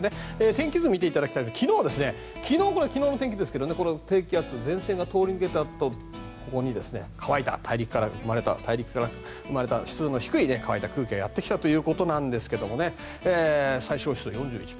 天気図を見ていただきたいんですが昨日の天気ですが低気圧前線が通り抜けたところに乾いた大陸から生まれた湿度の低い空気がやってきたということですが最小湿度は４１％。